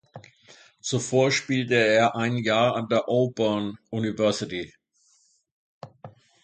Zuvor spielte er ein Jahr an der Auburn University.